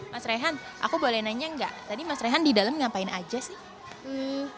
mas rehan aku boleh nanya nggak tadi mas rehan di dalam ngapain aja sih